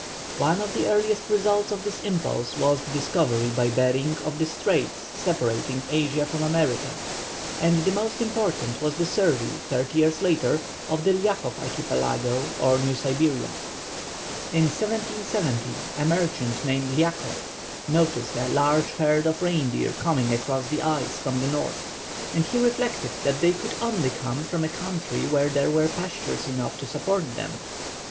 One of the earliest results of this impulse was the discovery by Behring of the straits separating Asia from America, and the most important was the survey thirty years later of the Liakhov Archipelago, or New Siberia. In 1770 a merchant named Liakhov noticed a large herd of reindeer coming across the ice from the north, and he reflected that they could only have come from a country where there were pastures enough to support them.